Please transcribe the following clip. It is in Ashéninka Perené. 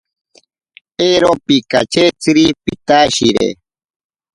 Ero pikachetziri pitashire.